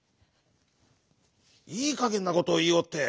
「いいかげんなことをいいおって。